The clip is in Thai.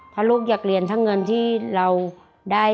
เพราะลูกอยากเรียนทั้งเงินที่เราได้